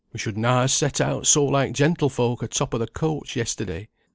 ] "'We should na ha' set out so like gentlefolk a top o' the coach yesterday.'